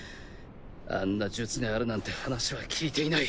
あんな術があるなんて話は聞いていない。